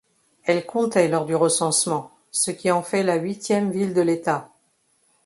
Elle comptait lors du recensement, ce qui en fait la huitième ville de l’État.